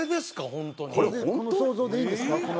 ホントにこの想像でいいんですか？